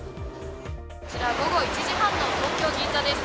こちら午後１時半の東京・銀座です。